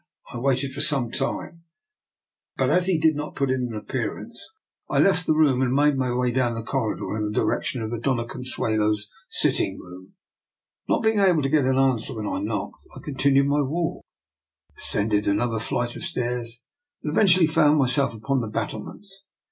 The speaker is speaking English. I waited for some time, but as he did not put in an appearance I left the room and made my way down the corridor in the direc tion of the Dofia Consuelo's sitting room. Not able to get any answer when I knocked, I continued my walk, ascended another flight of stairs, and eventually found myself upon the battlements.